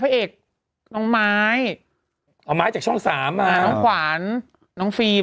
พระเอกน้องไม้เอาไม้จากช่องสามมาน้องขวานน้องฟิล์ม